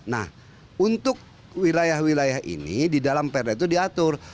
nah untuk wilayah wilayah ini di dalam perda itu diatur